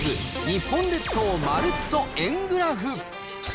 日本列島まるっと円グラフ！